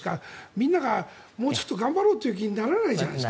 みんながもうちょっと頑張ろうという気にならないじゃないですか。